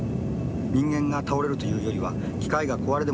人間が倒れるというよりは機械が壊れでもしたように